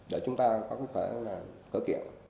để chúng ta có cơ kiện